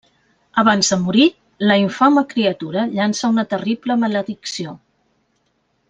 Abans de morir, la infame criatura llança una terrible maledicció.